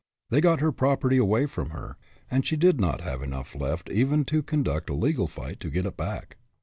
They got her property away from her, and she did not have enough left even to conduct a legal fight to get it back.